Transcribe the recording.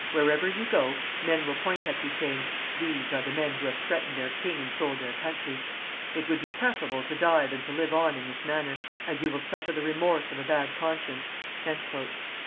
Wherever you will go, men will point at you, saying: 'These are the men who have threatened their king and sold their country.' It would be preferable to die than to live on in this manner, as you will suffer the remorse of a bad conscience."